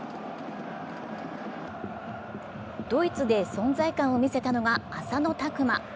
ドイツで存在感を見せたのが浅間拓磨。